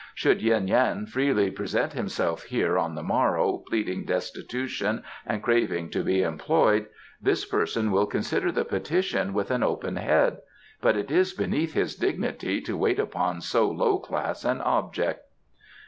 Should Yuen Yan freely present himself here on the morrow, pleading destitution and craving to be employed, this person will consider the petition with an open head, but it is beneath his dignity to wait upon so low class an object."